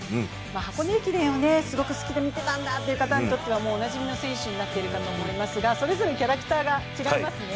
箱根駅伝をすごく好きで見ていたという方にはおなじみの選手になっているかと思いますがそれぞれキャラクターが違いますね。